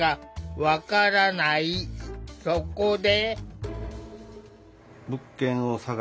そこで。